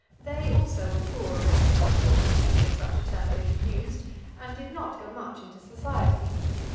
They also were poor rich people, if such a term may be used, and did not go much into society.